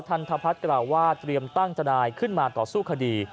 ทพัฒน์กล่าวว่าเตรียมตั้งทนายขึ้นมาต่อสู้คดี